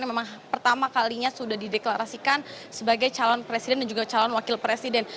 yang memang pertama kalinya sudah dideklarasikan sebagai calon presiden dan juga calon wakil presiden